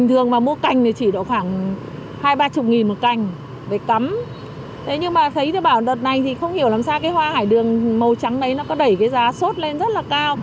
thế nhưng mà thấy bảo đợt này thì không hiểu làm sao cái hoa hải đường màu trắng đấy nó có đẩy cái giá sốt lên rất là cao